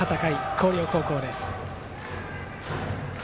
広陵高校です。